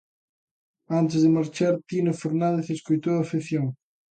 Antes de marchar, Tino Fernández escoitou a afección.